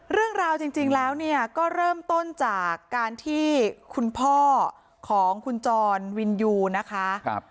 เรื่องราวจริงแล้วเนี่ยก็เริ่มต้นจากการที่คุณพ่อของคุณจรวินยูนะคะ